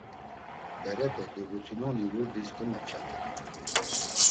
Berepe dogutinoni yurdis komepçaten.